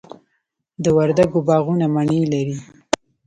د وردګو باغونه مڼې لري.